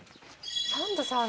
サンドさん